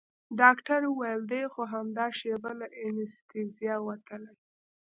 ډاکتر وويل دى خو همدا شېبه له انستيزي وتلى.